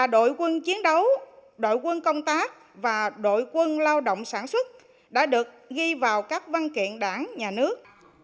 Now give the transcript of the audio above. đội quân chiến đấu đội quân công tác và đội quân lao động sản xuất đã được ghi vào các văn kiện đảng nhà nước